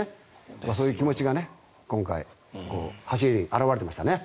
そういう気持ちが今回、走りに表れてましたね。